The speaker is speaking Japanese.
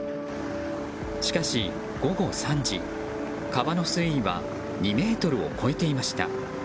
しかし、午後３時川の水位は２ｍを超えていました。